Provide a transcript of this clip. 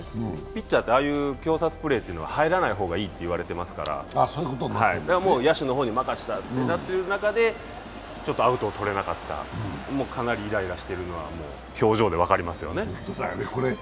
ピッチャーって、ああいう挟殺プレーは入らない方がいいと言われていますから、野手の方に任せたってなってる中でちょっとアウトを取れなかったのもかなりイライラしているのは表情で分かりますよね。